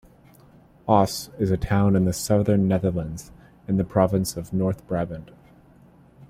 Oss, is a town in the southern Netherlands, in the province of North Brabant.